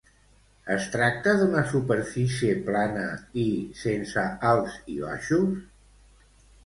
Es tracta d'una superfície plana i sense alts i baixos?